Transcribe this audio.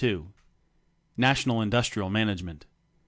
National Industrial Management.